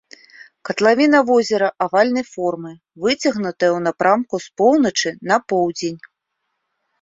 Катлавіна возера авальнай формы, выцягнутая ў напрамку з поўначы на поўдзень.